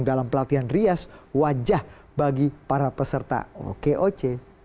dalam pelatihan rias wajah bagi para peserta okoc